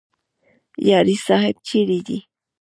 یاري صاحب چیرې دی؟